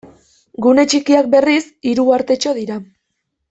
Gune txikiak, berriz, hiru uhartetxo dira.